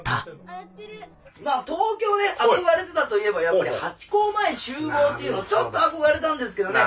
東京で憧れてたといえばやっぱりハチ公前集合というのちょっと憧れたんですけどね